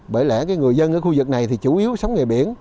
bởi lẽ người dân ở khu vực này thì chủ yếu sống nghề biển